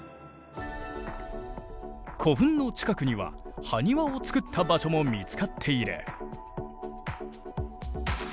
古墳の近くにはハニワをつくった場所も見つかっている。